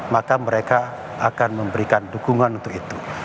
maka mereka akan memberikan dukungan untuk itu